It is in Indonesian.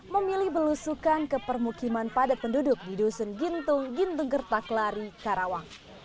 memilih berlusukan ke permukiman padat penduduk di dusun gintung gintung gertaklari karawang